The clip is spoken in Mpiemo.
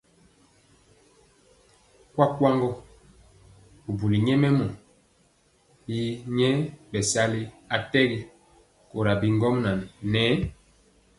Kuakuagɔ bubuli nyɛmemɔ yi yɛɛ bɛsali atɛgi kora bi ŋgomnaŋ nɛ.